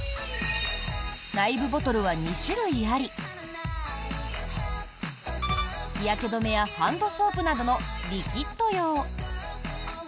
内部ボトルは２種類あり日焼け止めやハンドソープなどのリキッド用。